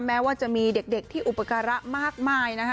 แม้ว่าจะมีเด็กที่อุปการะมากมายนะคะ